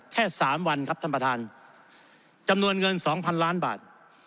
แค่สามวันครับท่านประธานจำนวนเงิน๒๐๐๐ล้านบาท